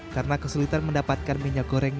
karena kesulitan mendapatkan minyak goreng